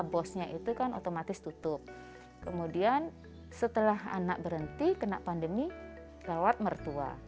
bosnya itu kan otomatis tutup kemudian setelah anak berhenti kena pandemi lewat mertua